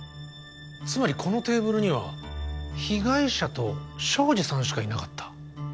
つまりこのテーブルには被害者と庄司さんしかいなかった。